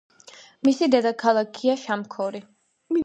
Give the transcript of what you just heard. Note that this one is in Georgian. მისი დედაქალაქია შამქორი.